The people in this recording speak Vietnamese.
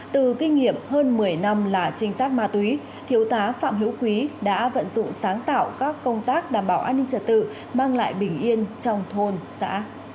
từ kinh nghiệm hơn một mươi năm là trinh sát ma túy thiếu tá phạm hữu quý đã vận dụng sáng tạo các công tác đảm bảo an ninh trật tự mang lại bình yên trong thôn xã